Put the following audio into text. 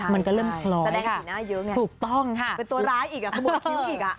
มันก็เริ่มคล้อยค่ะถูกต้องค่ะเป็นตัวร้ายอีกเขาบอกทิ้งอีก